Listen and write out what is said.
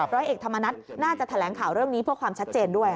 ร้อยเอกธรรมนัฐน่าจะแถลงข่าวเรื่องนี้เพื่อความชัดเจนด้วย